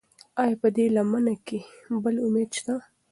ایا په دې لمنه کې بل امید شته؟